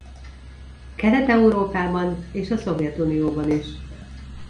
Kelet-Európában és a Szovjetunióban is.